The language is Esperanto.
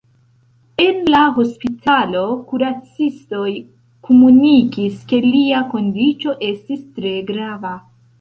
En la hospitalo, kuracistoj komunikis, ke lia kondiĉo estis tre grava.